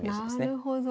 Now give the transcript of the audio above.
なるほど。